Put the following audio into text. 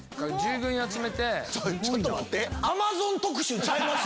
ちょっと待って。